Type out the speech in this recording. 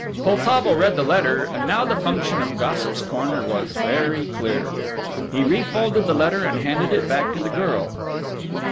Poltavo read the letter and now the function of Gossip's Corner was very clear. He refolded the letter and handed it back to the girl.